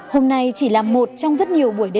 hôm nay chỉ là một trong rất nhiều buổi đi